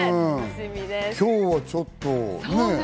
今日はちょっとね。